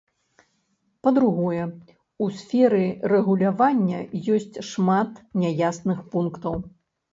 Па-другое, у сферы рэгулявання ёсць шмат няясных пунктаў.